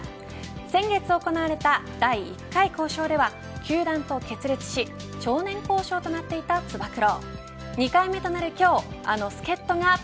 先月行われた第１回交渉では球団と決裂し越年交渉となっていたつば九郎。